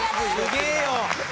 すげえよ！